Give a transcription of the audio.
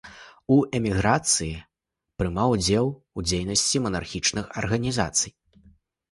У эміграцыі прымаў удзел у дзейнасці манархічных арганізацый.